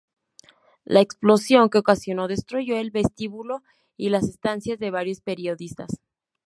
La explosión que ocasionó destruyó el vestíbulo y las estancias de varios periodistas.